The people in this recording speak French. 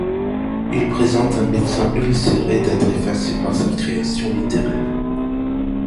Il présente un médecin ulcéré d'être effacé par sa création littéraire.